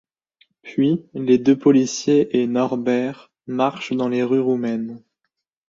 Puis, les deux policiers et Norbert marchent dans les rues roumaines.